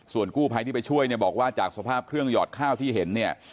ส่วนกู้ภัยที่ไปช่วยเนี่ยบอกว่าจากสภาพเครื่องหยอดข้าวที่เห็นเนี่ย